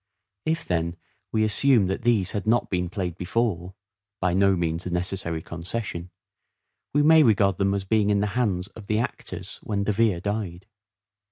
If, then, we assume that these had not been played before (by no means a necessary concession) we may regard them as being in the hands of the actors when De Vere died.